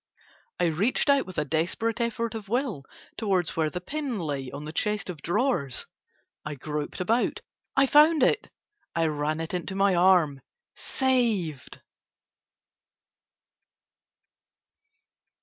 I reached out with a desperate effort of will towards where the pin lay on the chest of drawers. I groped about. I found it! I ran it into my arm. Saved!